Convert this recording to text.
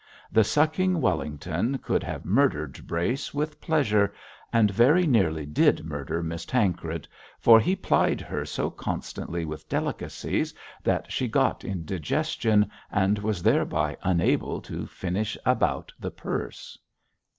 The sucking Wellington could have murdered Brace with pleasure, and very nearly did murder Miss Tancred, for he plied her so constantly with delicacies that she got indigestion, and was thereby unable to finish about the purse.